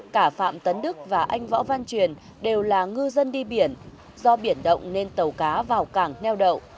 cả phạm tấn đức và anh võ văn truyền đều là ngư dân đi biển do biển động nên tàu cá vào cảng neo đậu